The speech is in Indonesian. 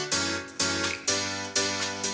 sampai jumpa lagi